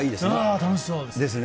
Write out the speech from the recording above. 楽しそうですね。ですね。